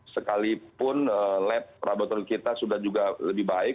sekalipun lab laboratorium kita sudah juga lebih baik